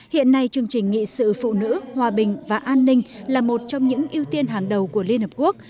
hiện nay chương trình nghị sự phụ nữ hòa bình và an ninh là một trong những ưu tiên hàng đầu của liên hợp quốc